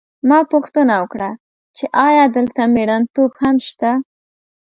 ما پوښتنه وکړه چې ایا دلته مېړنتوب هم نشته